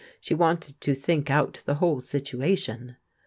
She wanted to think out the whole situation.